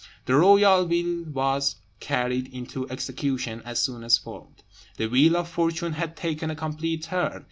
The royal will was carried into execution as soon as formed. The wheel of fortune had taken a complete turn.